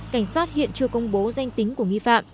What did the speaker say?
cảnh sát hiện chưa công bố danh tính của nghi phạm